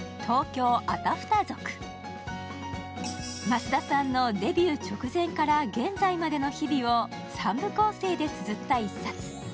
益田さんのデビュー直前から現在までの日々を３部構成でつづった一冊。